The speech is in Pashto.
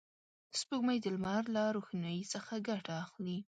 سپوږمۍ د لمر له روښنایي څخه ګټه اخلي